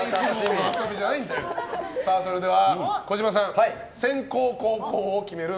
それでは児嶋さん、先攻・後攻を決める